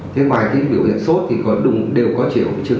thế ngoài cái biểu hiện sốt thì đều có triệu chứng